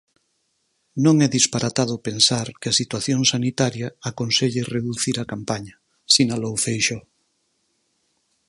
Non é disparatado pensar que a situación sanitaria aconselle reducir a campaña, sinalou Feixóo.